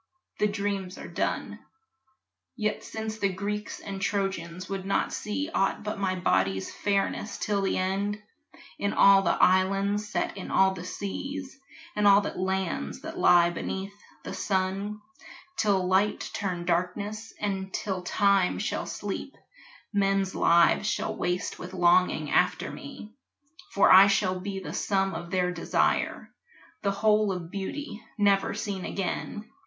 The dreams are done; Yet since the Greeks and Trojans would not see Aught but my body's fairness, till the end, In all the islands set in all the seas, And all the lands that lie beneath the sun, Till light turn darkness, and till time shall sleep, Men's lives shall waste with longing after me, For I shall be the sum of their desire, The whole of beauty, never seen again.